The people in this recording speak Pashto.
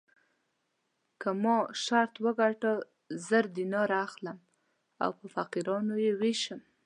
که ما شرط وګټه زر دیناره اخلم او په فقیرانو یې وېشم.